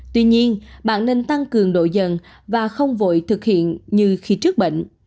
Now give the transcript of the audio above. tuy nhiên bạn nên tăng cường đội dần và không vội thực hiện như khi trước bệnh